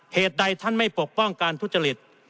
เหตุใดท่านไม่ปกป้องการทุจริต